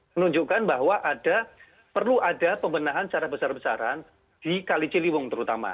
menunjukkan bahwa ada perlu ada pembenahan secara besar besaran di kali ciliwung terutama